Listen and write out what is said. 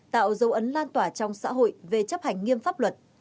tạo dấu ấn lan tỏa trong xã hội về chấp hành nghiêm pháp luật